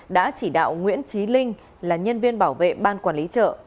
đã chỉ đạo nguyễn trí linh là nhân viên bảo vệ ban quản lý chợ